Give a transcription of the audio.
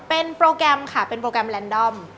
เป็นโปรแกรมค่ะเป็นโปรแกรมแลนดอม